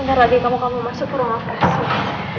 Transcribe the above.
ntar lagi kamu kamu masuk rumah prasut